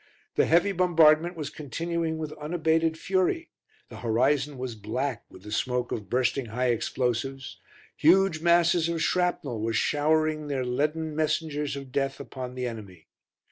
The heavy bombardment was continuing with unabated fury, the horizon was black with the smoke of bursting high explosives, huge masses of shrapnel were showering their leaden messengers of death upon the enemy.